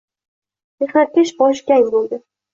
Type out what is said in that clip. Mehnatkash boshi gang bo‘ldi